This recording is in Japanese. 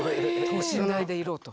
等身大でいろと。